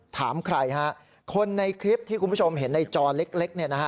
ถามใครฮะคนในคลิปที่คุณผู้ชมเห็นในจอเล็กเนี่ยนะฮะ